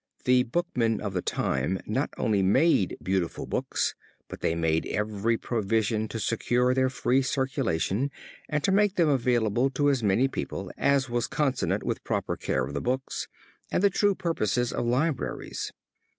The bookmen of the time not only made beautiful books, but they made every provision to secure their free circulation and to make them available to as many people as was consonant with proper care of the books and the true purposes of libraries.